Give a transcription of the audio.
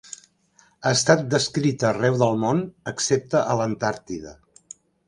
Ha estat descrita arreu del món, excepte a l'Antàrtida.